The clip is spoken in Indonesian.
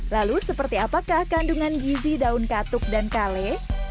lalu seperti apakah kandungan gizi daun katuk dan kale